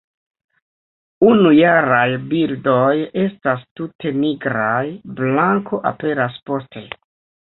Unujaraj birdoj estas tute nigraj; blanko aperas poste.